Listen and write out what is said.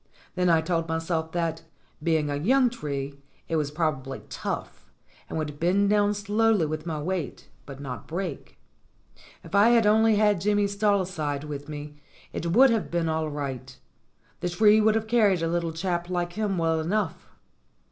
Then I told myself that, being a young tree, it was prob ably tough, and would bend down slowly with my weight but not break. If I had only had Jimmy Stal side with me, it would have been all right; the tree would have carried a little chap like him well enough.